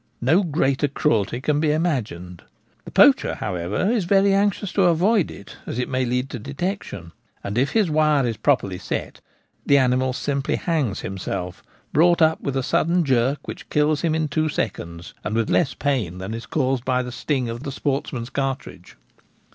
No greater cruelty can be imagined. The poacher, however, is very anxious to avoid it, as it may lead to detection ; and if his wire is properly set the animal simply hangs himself, brought up with a sudden jerk which kills him in two seconds, and with less pain than is caused by the sting of the sports man's cartridge.